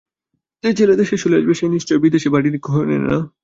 যে ছেলে দেশে চলে আসবে, সে নিশ্চয় বিদেশে বাড়ি কেনে না।